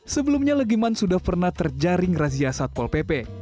sebelumnya legiman sudah pernah terjaring razia satpol pp